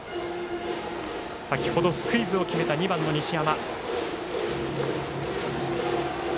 先ほどスクイズを決めた２番の西山。